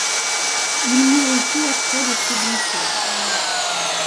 Il mourut peu après des suites d'une chasse.